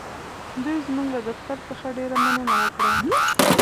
دوی زموږ له دفتر څخه ډېره مننه وکړه.